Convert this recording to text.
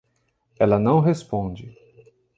Ela não responde.